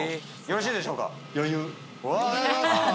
よろしいでしょうか？